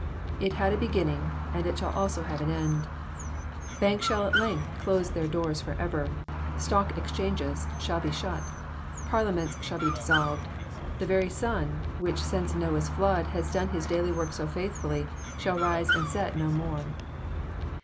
It had a beginning, and it shall also JOHN, CHAP. XIZ. 373 have an end. Banks shall at length close their doors for* ever. Stock exchanges shall be shut. Parliaments shall be dissolved. The very sun, which since Noah's flood has done his daily work so faithfully, shall rise and set no more.